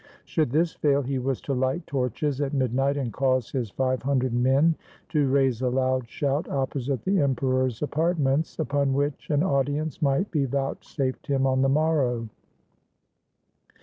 Should this fail, he was to light torches at midnight and cause his five hundred men to raise a loud shout opposite the Emperor's apart ments, upon which an audience might be vouch safed him on the morrow.